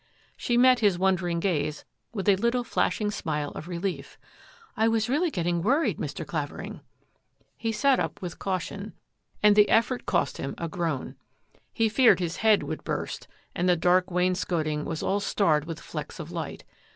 She met his wondering gaze with a little flashing smile of relief. " I was really getting worried, Mr. Clavering." He sat up with caution and the effort cost him 65 66 THAT AFFAIR AT THE MANOR a groan. He feared his head would burst and the dark wainscotmg was all starred with flecks of light.